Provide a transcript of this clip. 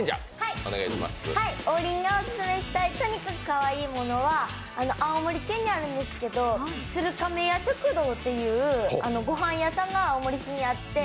王林がオススメしたいとにかくかわいいものは青森県にあるんですけど、鶴亀屋食堂っていうごはん屋さんが、青森市にあって。